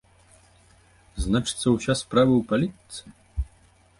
Значыцца, уся справа ў палітыцы?